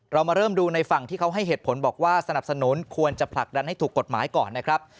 เรามาเริ่มดูในฝั่งที่เขาให้เหตุผลบอกว่าสนับสนุนควรจะผลักดันให้ถูกกฎหมายก่อนนะครับ